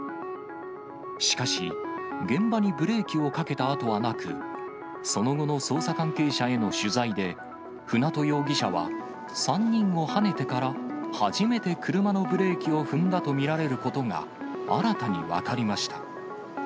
しかし、現場にブレーキをかけた跡はなく、その後の捜査関係者への取材で、舟渡容疑者は、３人をはねてから、初めてクルマのブレーキを踏んだとみられることが新たに分かりました。